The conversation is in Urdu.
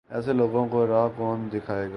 ایسے لوگوں کو راہ کون دکھائے گا؟